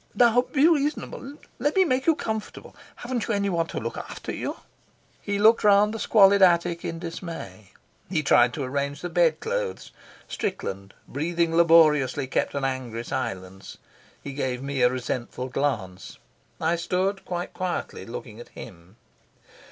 "Now, be reasonable. Let me make you comfortable. Haven't you anyone to look after you?" He looked round the squalid attic in dismay. He tried to arrange the bed clothes. Strickland, breathing laboriously, kept an angry silence. He gave me a resentful glance. I stood quite quietly, looking at him.